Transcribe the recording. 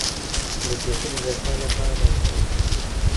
د ټوخي د زیاتوالي لپاره باید څه وکړم؟